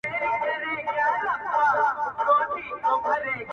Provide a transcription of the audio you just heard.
بیا به له دغه ښاره د جهل رېښې و باسو,